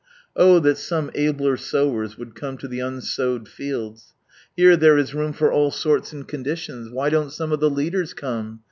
Oh ! that some abler sowers would come to the unsowed fields. Here there ia room for all sorts and conditions. Why don't some of the leaders come